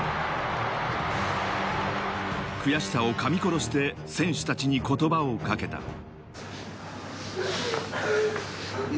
悔しさを噛み殺して選手たちに言葉をかけた。